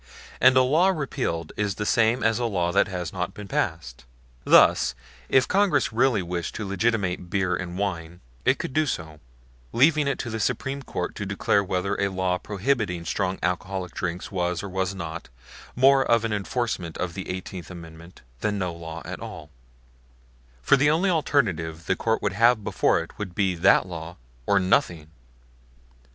And a law repealed is the same as a law that has not been passed. Thus if Congress really wished to legitimate beer and wine, it could do so; leaving it to the Supreme Court to declare whether a law prohibiting strong alcoholic drinks was or was not more of an enforcement of the Eighteenth Amendment than no law at all for the only alternative the Court would have before it would be that law or nothing!